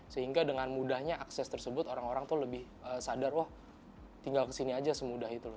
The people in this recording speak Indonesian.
sehingga dengan mudahnya akses tersebut orang orang tuh lebih sadar wah tinggal kesini aja semudah itu loh